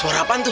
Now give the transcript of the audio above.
suara apaan tuh